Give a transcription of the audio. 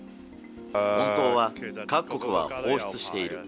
本当は各国は放出している。